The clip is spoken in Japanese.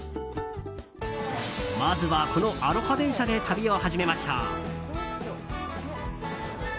まずは、このアロハ電車で旅を始めましょう。